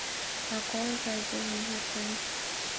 А колжо айдеме йӱк дене